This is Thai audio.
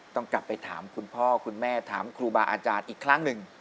ต้องกลับไปถามคุณพ่อคุณแม่ถามครูบาอาจารย์อีกครั้งหนึ่ง